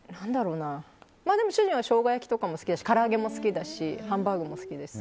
でも、主人はショウガ焼きとかも好きだしから揚げも好きだしハンバーグも好きです。